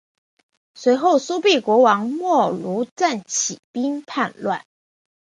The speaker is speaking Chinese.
随后苏毗国王没庐赞起兵叛乱。